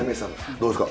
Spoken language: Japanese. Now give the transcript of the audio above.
どうですか？